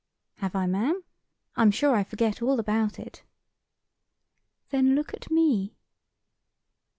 "Have I, ma'am? I'm sure I forget all about it." "Then look at me."